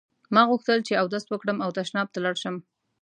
ما غوښتل چې اودس وکړم او تشناب ته لاړ شم.